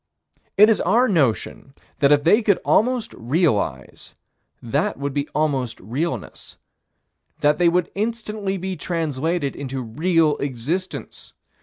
It is our notion that if they could almost realize, that would be almost realness: that they would instantly be translated into real existence.